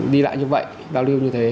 đi lại như vậy giao lưu như thế